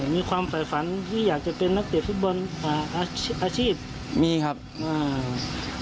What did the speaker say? มีความฝ่ายฝันที่อยากจะเป็นนักเตะฟุตบอลอ่าอาชีพมีครับอ่า